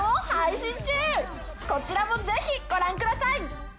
こちらもぜひご覧ください！